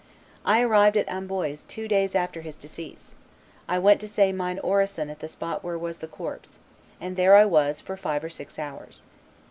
I arrived at Amboise two days after his decease; I went to say mine orison at the spot where was the corpse; and there I was for five or six hours.